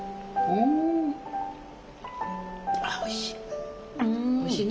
うんおいしい。